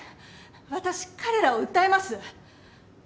私彼らを訴えます